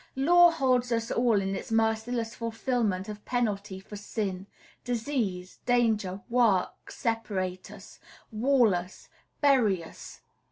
Law holds us all in its merciless fulfilment of penalty for sin; disease, danger, work separate us, wall us, bury us.